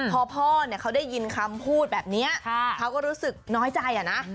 พอพ่อเขาได้ยินคำพูดแบบนี้เขาก็รู้สึกน้อยใจอะนะ